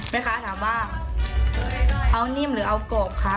แม่ค้าถามว่าเอานิ่มหรือเอากบคะ